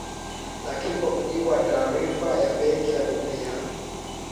Lakini kwa mujibu wa taarifaya Benki ya Dunia